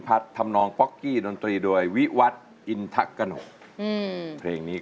เพลงรักคุณที่หวัดคุณ